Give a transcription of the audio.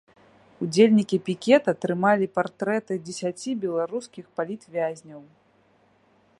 Удзельнікі пікета трымалі партрэты дзесяці беларускіх палітвязняў.